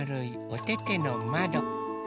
おててのまど。